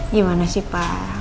gimana sih pak